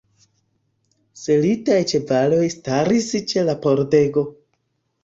Selitaj ĉevaloj staris ĉe la pordego.